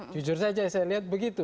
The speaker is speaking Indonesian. jujur saja saya lihat begitu